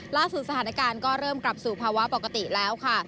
สถานการณ์ก็เริ่มกลับสู่ภาวะปกติแล้วค่ะ